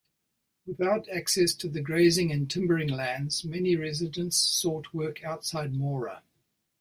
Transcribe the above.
Without access to the grazing and timbering lands, many residents sought work outside Mora.